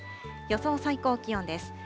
予想最高気温です。